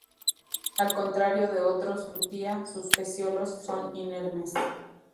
Al contrario de otros "Butia", sus peciolos son inermes.